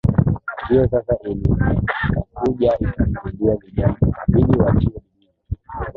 hiyo sasa ikakuja ikasaidia vijana ikabidi watie bidii